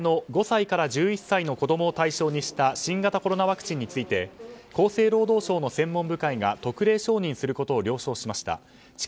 アメリカの製薬大手ファイザー製の５歳から１１歳の子供を対象にした新型コロナワクチンについて厚生労働省の専門部会が特例承認することを了承しました。